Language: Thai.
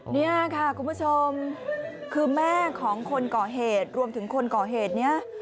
นี่ค่ะคุณผู้ชมคือแม่ของคนก่อเหตุรวมถึงคนก่อเหตุนี้